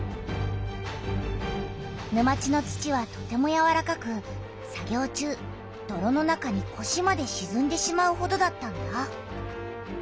沼地の土はとてもやわらかく作業中どろの中にこしまでしずんでしまうほどだったんだ。